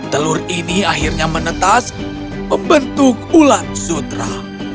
telur ini akhirnya menetas membentuk ulat sutra